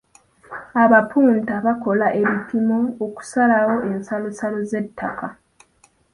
Abapunta bakola ebipimo okusalawo ensalosalo z'ettako.